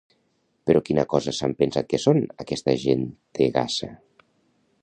Però quina cosa s'han pensat que són, aquesta gentegassa?